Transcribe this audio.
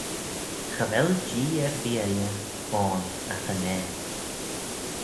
Cha vel Jee erbee elley ayn agh unnane.